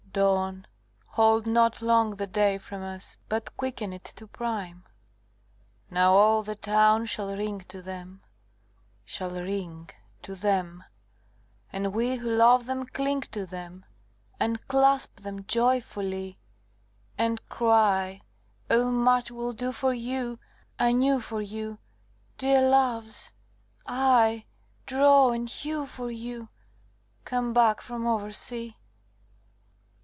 — Dawn, hold not long the day from us, But quicken it to prime! II Now all the town shall ring to them, Shall ring to them, And we who love them cling to them And clasp them joyfully; And cry, "O much we'll do for you Anew for you, Dear Loves!—aye, draw and hew for you, Come back from oversea."